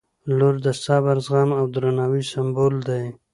• لور د صبر، زغم او درناوي سمبول دی.